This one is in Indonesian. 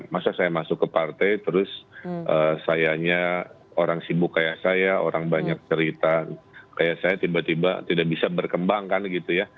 masa saya masuk ke partai terus sayanya orang sibuk kayak saya orang banyak cerita kayak saya tiba tiba tidak bisa berkembang kan gitu ya